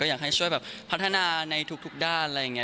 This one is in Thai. อยากให้ช่วยแบบพัฒนาในทุกด้านอะไรอย่างนี้